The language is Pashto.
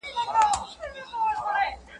هر شى پر خپل ځاى ښه ايسي.